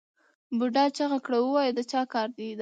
بوډا چیغه کړه ووایه د چا کار دی دا؟